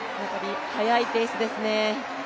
速いペースですね。